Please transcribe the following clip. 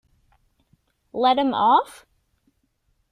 Let him off?